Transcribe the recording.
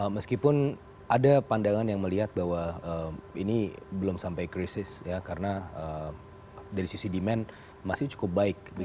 meskipun ada pandangan yang melihat bahwa ini belum sampai krisis karena dari sisi demand masih cukup baik